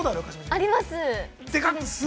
◆あります。